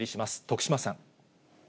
徳島さん。